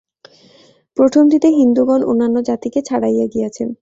প্রথমটিতে হিন্দুগণ অন্যান্য জাতিকে ছাড়াইয়া গিয়াছেন।